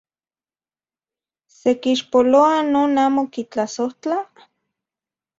¿Se kixpoloa non amo kitlasojtla?